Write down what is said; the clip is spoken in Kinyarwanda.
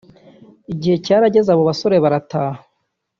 Igihe cyarageze abo basore barataha